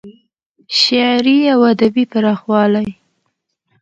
شعري او ادبي پراخوالی